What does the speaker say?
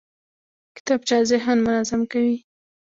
کتابچه ذهن منظم کوي